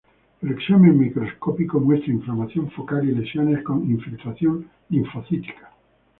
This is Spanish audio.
El examen microscópico muestra inflamación focal y lesiones con infiltración linfocítica.